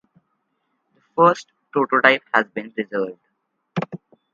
The first prototype has been preserved.